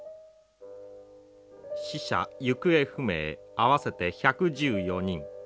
死者行方不明合わせて１１４人。